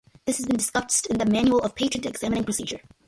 This has been discussed in the "Manual of Patent Examining Procedure".